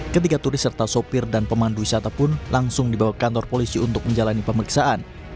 ketiga turis serta sopir dan pemandu wisata pun langsung dibawa ke kantor polisi untuk menjalani pemeriksaan